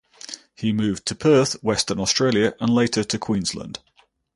He moved to Perth, Western Australia and later to Queensland.